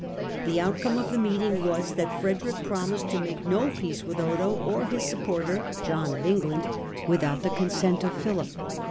The outcome of the meeting was that Frederick promised to make no peace with Otho or his supporter, John of England, without the consent of Philip.